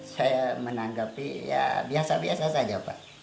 saya menanggapi ya biasa biasa saja pak